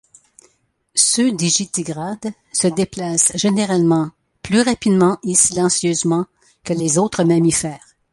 Ceux digitigrades se déplacent généralement plus rapidement et silencieusement que les autres mammifères.